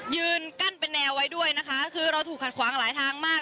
ยืนกั้นเป็นแนวไว้ด้วยนะคะคือเราถูกขัดขวางหลายทางมาก